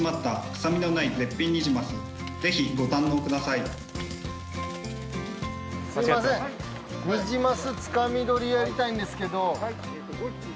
すみませんニジマスつかみ取りやりたいんですけど。